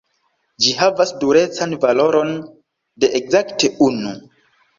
Ĝi havas durecan valoron de ekzakte unu.